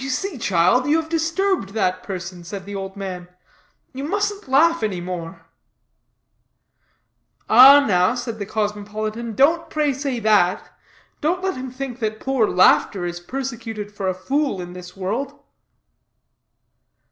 "You see, child, you have disturbed that person," said the old man; "you mustn't laugh any more." "Ah, now," said the cosmopolitan, "don't, pray, say that; don't let him think that poor Laughter is persecuted for a fool in this world."